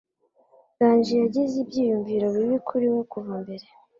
Nganji yagize ibyiyumvo bibi kuri we kuva mbere.